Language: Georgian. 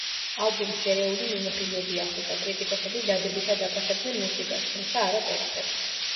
ალბომს შერეული მიმოხილვები ახლდა, კრიტიკოსები დადებითად აფასებდნენ მუსიკას, თუმცა არა ტექსტებს.